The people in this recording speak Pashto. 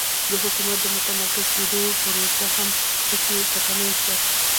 د حکومت د متمرکز کېدو پروسه هم ټکنۍ شوه